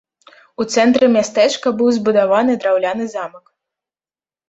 У цэнтры мястэчка быў збудаваны драўляны замак.